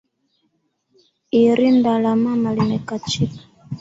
Irinda la mama limekachika